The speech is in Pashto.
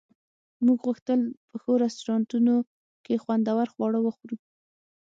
موږ غوښتل په ښو رستورانتونو کې خوندور خواړه وخورو